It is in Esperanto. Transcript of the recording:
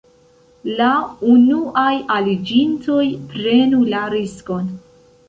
La unuaj aliĝintoj prenu la riskon...